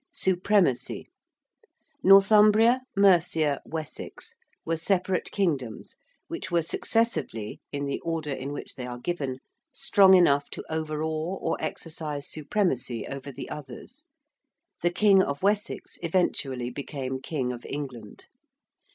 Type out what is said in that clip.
~supremacy~: Northumbria, Mercia, Wessex, were separate kingdoms which were successively, in the order in which they are given, strong enough to overawe or exercise supremacy over the others. The king of Wessex eventually became king of England.